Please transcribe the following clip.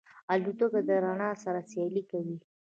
الوتکه د رڼا سره سیالي کوي.